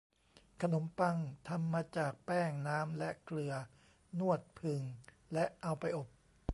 ขนมปังทำมาจาก แป้ง น้ำ และเกลือ นวด ผึ่ง และเอาไปอบ